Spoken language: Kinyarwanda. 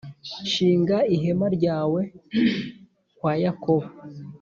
Shinga ihema ryawe kwa Yakobo,